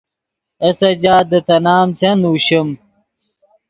اے سجاد دے تے نام چند نوشیم۔